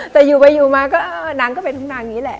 แต่อยู่ไปอยู่มาก็นางก็เป็นห้องนางนี้แหละ